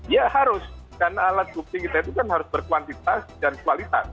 ya harus karena alat bukti kita itu kan harus berkuantitas dan kualitas